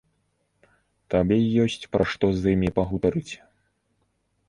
Табе ёсць пра што з імі пагутарыць.